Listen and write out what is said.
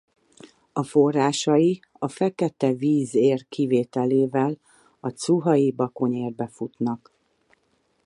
A forrásai a Feketevíz-ér kivételével a Cuhai-Bakony-érbe futnak.